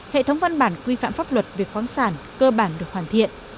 hệ thống văn bản quy phạm pháp luật về khoáng sản cơ bản được hoàn thiện